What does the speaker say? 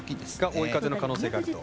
追い風の可能性があると。